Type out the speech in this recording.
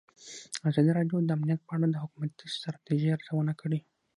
ازادي راډیو د امنیت په اړه د حکومتي ستراتیژۍ ارزونه کړې.